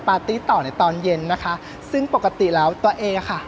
ตี้ต่อในตอนเย็นนะคะซึ่งปกติแล้วตัวเองอะค่ะ